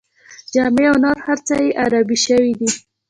جامې او نور هر څه یې عربي شوي دي.